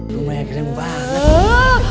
rumah yang keren banget